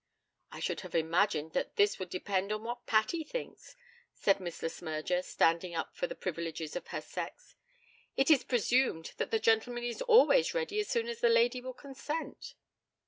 'I should have imagined that this would depend on what Patty thinks,' said Miss Le Smyrger, standing up for the privileges of her sex. 'It is presumed that the gentleman is always ready as soon as the lady will consent.'